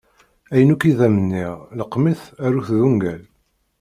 Ayen akk i d am-nniɣ leqqem-it aru-t d ungal.